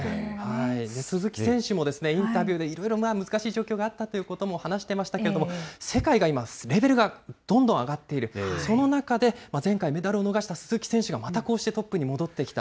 鈴木選手もインタビューで、いろいろ難しい状況があったということも話していましたけれども、世界が今、レベルがどんどん上がっている、その中で前回、メダルを逃した鈴木選手が、またこうしてトップに戻ってきた。